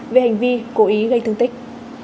về hành vi cố ý gây thương tích